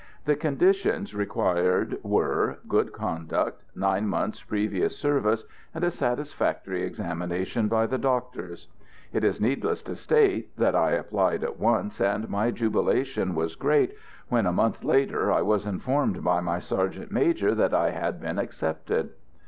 The conditions required were good conduct, nine months' previous service, and a satisfactory examination by the doctors. It is needless to state that I applied at once, and my jubilation was great when, a month later, I was informed by my sergeant major that I had been accepted.